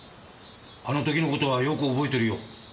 あの時のことはよく覚えてるよ。